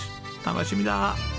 楽しみだ。